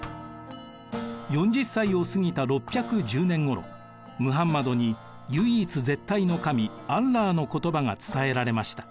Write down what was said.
４０歳を過ぎた６１０年ごろムハンマドに唯一絶対の神アッラーの言葉が伝えられました。